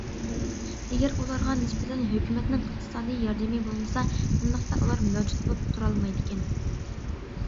ئەگەر ئۇلارغا نىسبەتەن ھۆكۈمەتنىڭ ئىقتىسادىي ياردىمى بولمىسا، ئۇنداقتا ئۇلار مەۋجۇت بولۇپ تۇرالمايدىكەن.